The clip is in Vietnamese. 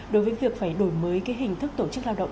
đối với việc phải đổi mới hình thức tổ chức lao động